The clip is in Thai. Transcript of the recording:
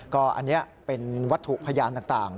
ก็อันนี้เป็นวัตถุพยานต่าง